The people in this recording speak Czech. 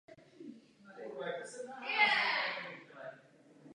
Poškozuje zejména oči.